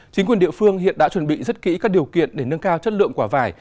chính quyền địa phương hiện đã chuẩn bị rất kỹ các điều kiện để nâng cao chất lượng quả vải